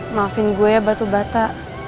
maafin gue ya batu bata